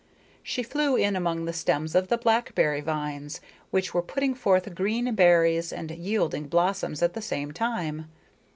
She flew in among the stems of the blackberry vines, which were putting forth green berries and yielding blossoms at the same time.